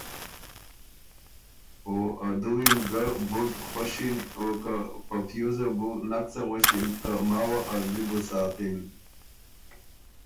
او ا دُوّي م ګه بُډ خؤشِن او که په پیوزه بو نک څه غؤݭِن ته ماوه ا زلی بو ساتِن۔